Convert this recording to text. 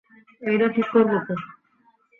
এইডা ঠিক করবো কে?